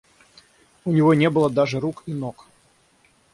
У него не было даже рук и ног.